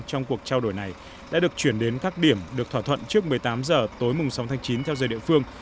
trong cuộc trao đổi này đã được chuyển đến các điểm được thỏa thuận trước một mươi tám h tối mùng sáu tháng chín theo giờ địa phương